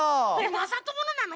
まさとものなの？